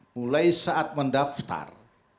mulai saat mendaftar